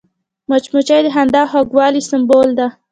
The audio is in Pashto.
مچمچۍ د خندا او خوږوالي سمبول ده